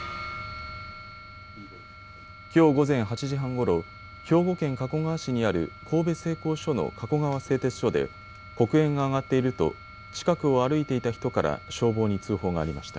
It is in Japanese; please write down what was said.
きょう午前８時半ごろ、兵庫県加古川市にある神戸製鋼所の加古川製鉄所で黒煙が上がっていると近くを歩いていた人から消防に通報がありました。